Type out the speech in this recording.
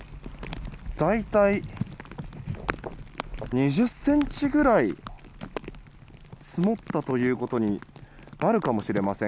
大体、２０ｃｍぐらい積もったということになるかもしれません。